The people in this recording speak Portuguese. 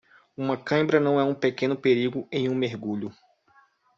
Uma cãibra não é um pequeno perigo em um mergulho.